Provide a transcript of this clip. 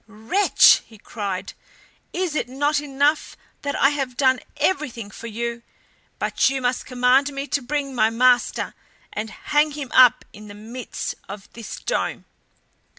"Wretch!" he cried, "is it not enough that I have done everything for you, but you must command me to bring my master and hang him up in the midst of this dome?